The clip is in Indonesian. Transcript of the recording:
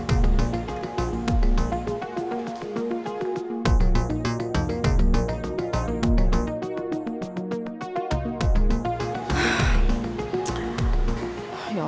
ini dia mah